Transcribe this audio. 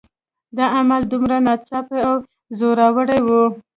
دا عمل دومره ناڅاپي او زوراور وي